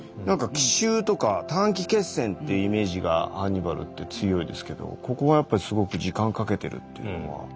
なんか奇襲とか短期決戦ってイメージがハンニバルって強いですけどここはやっぱりすごく時間かけてるっていうのは？